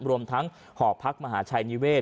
รวมทั้งหอพักมหาชัยนิเวศ